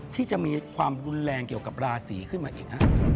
ที่จะมีความรุนแรงเกี่ยวกับราศีขึ้นมาอีก